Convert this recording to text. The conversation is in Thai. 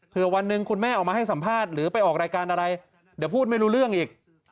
เพื่อวันหนึ่งคุณแม่ออกมาให้สัมภาษณ์หรือไปออกรายการอะไรเดี๋ยวพูดไม่รู้เรื่องอีก